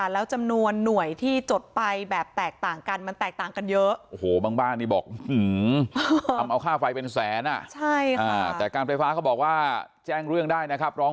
เราค่าไฟเป็นแสนอ่ะใช่อ่าแต่การไฟฟ้าเขาบอกว่าแจ้งเรื่องได้นะครับร้อง